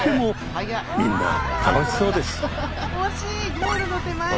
ゴールの手前で。